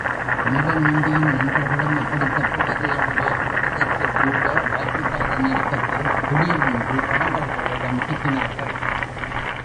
குமரன் நம்பியும், நண்பர்களும் எப்படித் தப்புவது என்று யோசிப்பதற்குக்கூட வாய்ப்பில்லாத நெருக்கத்தில் திடீரென்று கடம்பர்களிடம் சிக்கினார்கள்.